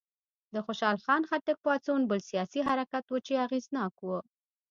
د خوشحال خان خټک پاڅون بل سیاسي حرکت و چې اغېزناک و.